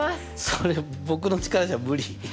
それ僕の力じゃ無理。